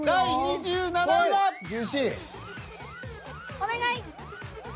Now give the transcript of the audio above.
お願い！